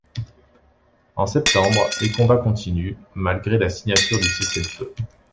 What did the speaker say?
En septembre, les combats continuent, malgré la signature du cessez-le-feu.